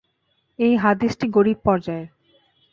এই হাদীসটি গরীব পর্যায়ের।